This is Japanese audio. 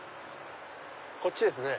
こっちですね。